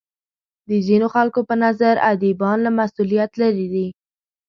د ځینو خلکو په نظر ادیبان له مسولیت لرې دي.